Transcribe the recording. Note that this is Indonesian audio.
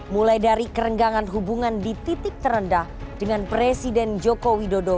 mulai dari kerenggangan hubungan di titik terendah dengan presiden joko widodo